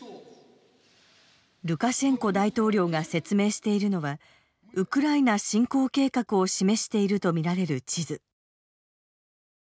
ルカシェンコ大統領が説明しているのはウクライナ侵攻計画を示しているとみられる地図。